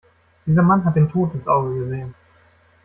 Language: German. Dieser Mann hat dem Tod ins Auge gesehen.